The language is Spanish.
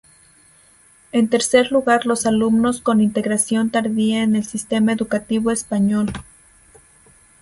En tercer lugar los alumnos con integración tardía en el sistema educativo español.